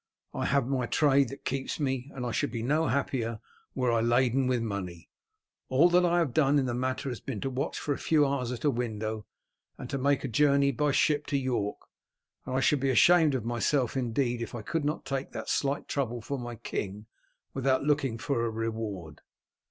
"I have my trade that keeps me, and should be no happier were I laden with money. All that I have done in the matter has been to watch for a few hours at a window, and to make a journey by ship to York, and I should be ashamed of myself indeed if I could not take that slight trouble for my king without looking for a reward."